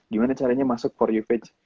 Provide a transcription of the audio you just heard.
gimana caranya masuk for you page